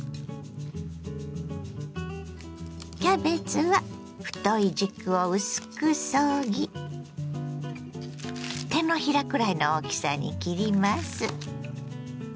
キャベツは太い軸を薄くそぎ手のひらくらいの大きさに切ります。